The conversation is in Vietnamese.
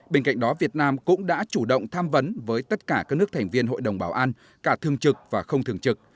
bên cạnh đó việt nam cũng đã chủ động tham vấn với tất cả các nước thành viên hội đồng bảo an cả thường trực và không thường trực